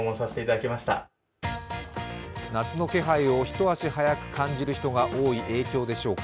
夏の気配を一足早く感じる人が多い影響でしょうか。